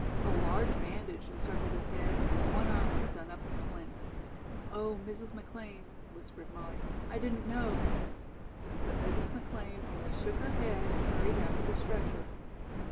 A large bandage encircled his head and one arm was done up in splints. "Oh, Mrs. McLean," whispered Molly, "I didn't know " But Mrs. McLean only shook her head and hurried after the stretcher.